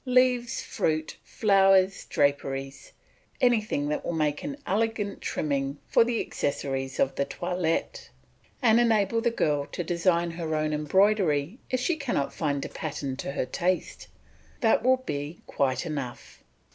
Leaves, fruit, flowers, draperies, anything that will make an elegant trimming for the accessories of the toilet, and enable the girl to design her own embroidery if she cannot find a pattern to her taste; that will be quite enough.